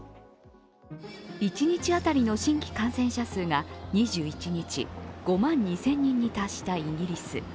一日当たりの新規感染者数が２１日５万２０００人に達したイギリス。